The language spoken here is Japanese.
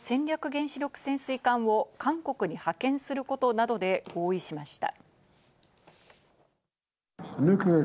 原子力潜水艦を韓国に派遣することなどで合意しました。